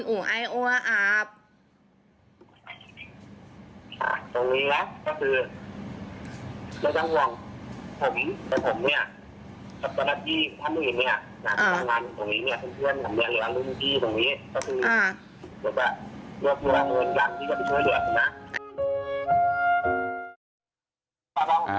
หรือว่ามีแมวที่จะไปช่วยด้วยอ่ะคุณฮะ